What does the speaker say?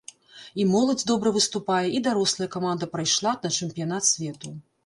І моладзь добра выступае, і дарослая каманда прайшла на чэмпіянат свету.